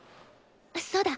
そうだ！